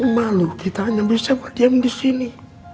malu kita hanya bisa berdiam disini